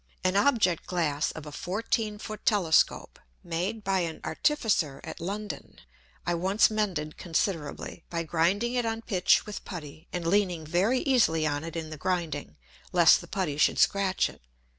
An Object glass of a fourteen Foot Telescope, made by an Artificer at London, I once mended considerably, by grinding it on Pitch with Putty, and leaning very easily on it in the grinding, lest the Putty should scratch it.